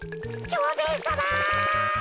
蝶兵衛さま！